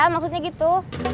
iya maksudnya gitu